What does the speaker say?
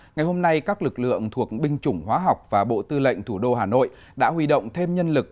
ngày hôm nay các lực lượng thuộc binh chủng hóa học và bộ tư lệnh thủ đô hà nội đã huy động thêm nhân lực